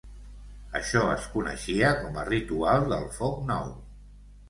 Això es coneixia com a Ritual del Foc nou.